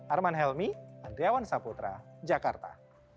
arman helmi andriawan saputra jakarta